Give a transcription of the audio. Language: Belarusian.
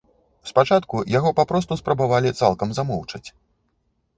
Спачатку яго папросту спрабавалі цалкам замоўчаць.